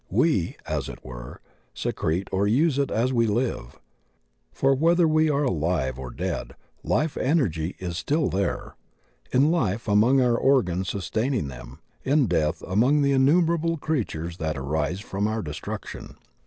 We, as it were, secrete or use it as we live. For whether we are alive or dead, life energy is still there; in life among our organs sustaining them, in death among the innumerable creatures that arise from our destruction.